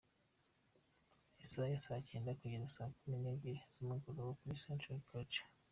isaha ya saa cyenda kugeza saa kumi nebyiri zumugoroba kuri Centre Culturel.